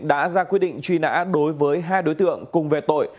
đã ra quyết định truy nã đối với hai đối tượng cùng về tội